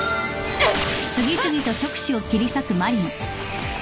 うっ！